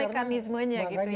apa mekanismenya gitu ya